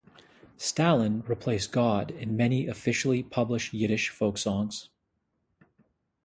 Stalin replaced God in many officially published Yiddish folksongs.